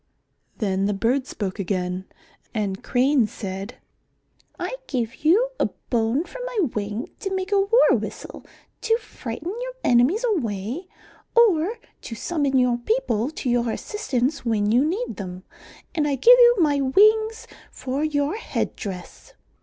Then the birds spoke again, and Crane said, "I give you a bone from my wing to make a war whistle to frighten your enemies away or to summon your people to your assistance when you need them. And I give you my wings for your head dress."